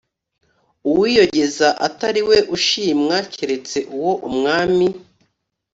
uwiyogeza atari we ushimwa keretse uwo umwami